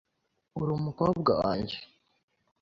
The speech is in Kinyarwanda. Uri umukobwa wanjye